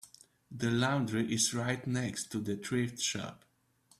The laundry is right next to the thrift shop.